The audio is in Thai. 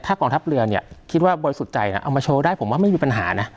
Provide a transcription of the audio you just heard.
กองทัพเรือเนี่ยคิดว่าบริสุทธิ์ใจนะเอามาโชว์ได้ผมว่าไม่มีปัญหานะ